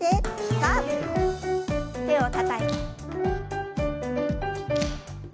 さあ手をたたいて。